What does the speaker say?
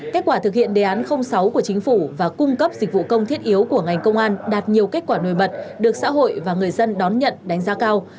kết quả thực hiện đề án sáu của chính phủ và cung cấp dịch vụ công thiết yếu của ngành công an đạt nhiều kết quả nổi bật được xã hội và người dân đón nhận đánh giá cao